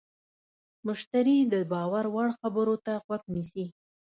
مشتری د باور وړ خبرو ته غوږ نیسي.